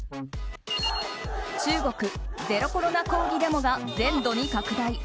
中国、ゼロコロナ抗議デモが全土に拡大。